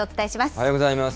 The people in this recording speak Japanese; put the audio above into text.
おはようございます。